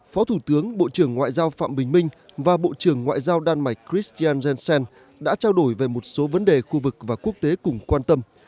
phó thủ tướng bộ trưởng ngoại giao phạm bình minh và bộ trưởng ngoại giao đan mạch christian jensen đã trao đổi về một số vấn đề khu vực và quốc tế cùng quan tâm